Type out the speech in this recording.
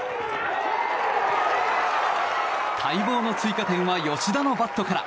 待望の追加点は吉田のバットから。